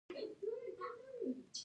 هر څوک کله نا کله د دې تېروتنې ښکار کېږي.